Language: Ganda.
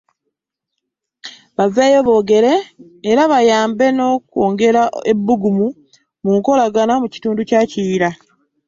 Baveeyo boogere era bayambe n’okwongera ebbugumu mu Nkolagana mu Kitundu kya Kiyira.